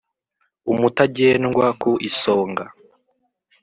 umutagendwa ku isonga,